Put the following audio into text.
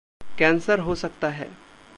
Cancer हो सकता है।